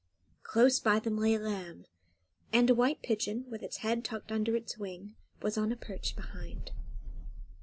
Close by them lay a lamb, and a white pigeon, with its head tucked under its wing, was on a perch behind.